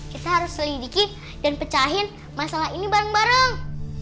kita harus selidiki dan pecahin masalah ini bareng bareng